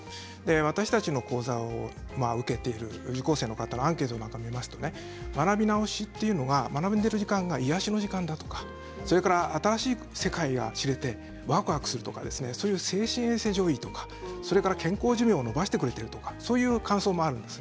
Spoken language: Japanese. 私たちの講座を受けている受講生の方のアンケートを見ますと学び直しというのは学べる時間が癒やしの時間だとか新しい世界を知ることができてわくわくするとか精神衛生上いいとか健康寿命を延ばしてくれているという感想もあるんです。